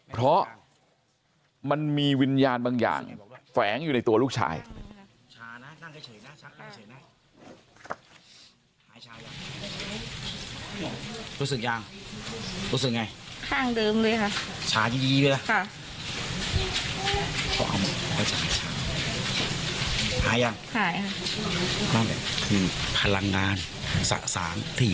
เพราะมันมีวิญญาณบางอย่างแฝงอยู่ในตัวลูกชาย